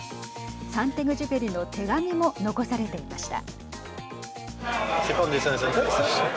サンテグジュペリの手紙も残されていました。